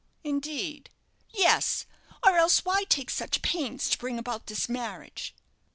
"Indeed!" "Yes, or else why take such pains to bring about this marriage?"